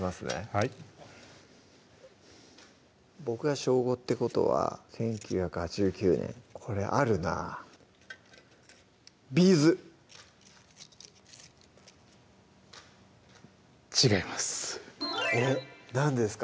はい僕が小５ってことは１９８９年これあるなＢ’ｚ違います